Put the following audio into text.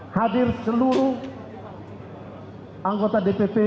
hadir seluruh anggota dpp